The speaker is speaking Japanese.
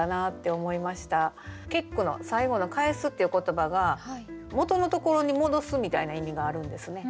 結句の最後の「還す」っていう言葉が元のところに戻すみたいな意味があるんですね。